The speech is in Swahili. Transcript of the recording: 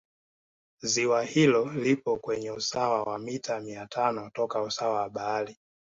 Ziwa hilo lipo kwenye usawa wa mita mia tano toka usawa wa bahari